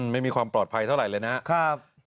ไม่มีความปลอดภัยเท่าไหร่เลยนะครับ